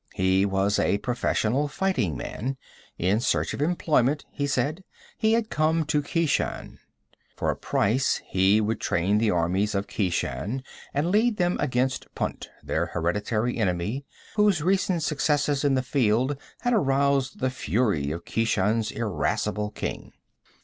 He was a professional fighting man. In search of employment (he said) he had come to Keshan. For a price he would train the armies of Keshan and lead them against Punt, their hereditary enemy, whose recent successes in the field had aroused the fury of Keshan's irascible king.